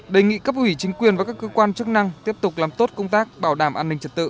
đề nghị cấp ủy chính quyền và các cơ quan chức năng tiếp tục làm tốt công tác bảo đảm an ninh trật tự